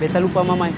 beta lupa mama